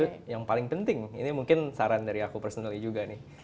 tapi yang paling penting ini mungkin saran dari aku personally juga nih